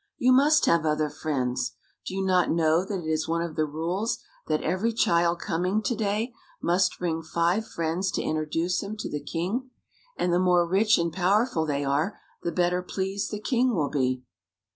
"You must have other friends. Do you not know that it is one of the rules that every child coming to day must bring five friends to introduce him to the king? And the more rich and powerful they are, the better pleased the king will be."